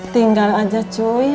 tinggal aja cuy